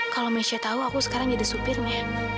kalau mesha tahu aku sekarang jadi supirnya